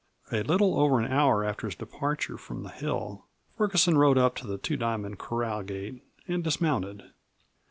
A little over an hour after his departure from the hill, Ferguson rode up to the Two Diamond corral gate and dismounted.